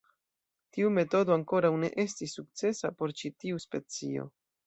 Tiu metodo ankoraŭ ne estis sukcesa por ĉi tiu specio.